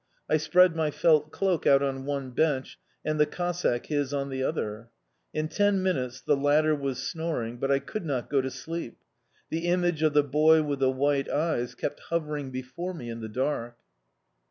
I spread my felt cloak out on one bench, and the Cossack his on the other. In ten minutes the latter was snoring, but I could not go to sleep the image of the boy with the white eyes kept hovering before me in the dark.